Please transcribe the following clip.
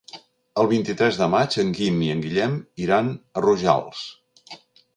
El vint-i-tres de maig en Guim i en Guillem iran a Rojals.